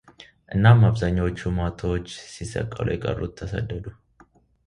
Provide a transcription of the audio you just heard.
እናም አብዛኛዎቹ ማቶዎች ሲሰቀሉ የቀሩት ተሰደዱ፡፡